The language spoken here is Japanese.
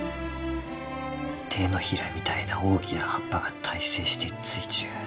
手のひらみたいな大きな葉っぱが対生してついちゅう。